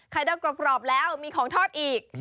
เดากรอบแล้วมีของทอดอีก